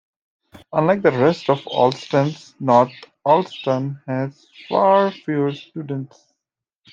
Unlike the rest of Allston, North Allston has far fewer students.